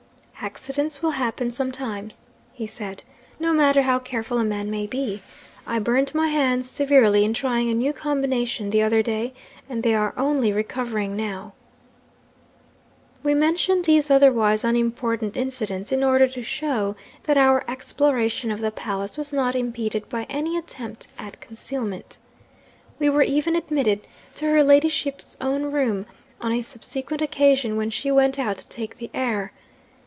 "Accidents will happen sometimes," he said, "no matter how careful a man may be. I burnt my hands severely in trying a new combination the other day, and they are only recovering now." 'We mention these otherwise unimportant incidents, in order to show that our exploration of the palace was not impeded by any attempt at concealment. We were even admitted to her ladyship's own room on a subsequent occasion, when she went out to take the air.